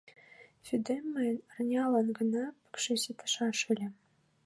Вӱдем мыйын арнялан гына пыкше ситышаш ыле.